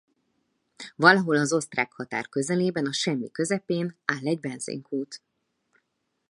Valahol az osztrák határ közelében a semmi közepén áll egy benzinkút.